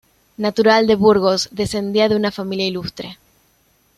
Natural de Burgos, descendía de una familia ilustre.